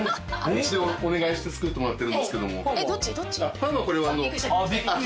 お願いして作ってもらってるんですけども。